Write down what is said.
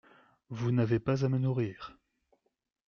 Vous n’avez pas à me nourrir.